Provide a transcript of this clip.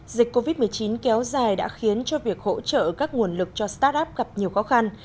dịch covid một mươi chín kéo dài đã khiến cho việc hỗ trợ các nguồn lực cho start up gặp nhiều khó khăn